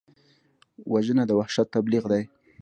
وژنه د وحشت تبلیغ دی